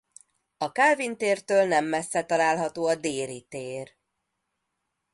A Kálvin tértől nem messze található a Déri tér.